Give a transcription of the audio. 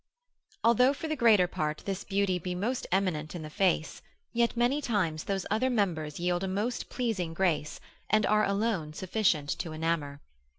Although for the greater part this beauty be most eminent in the face, yet many times those other members yield a most pleasing grace, and are alone sufficient to enamour.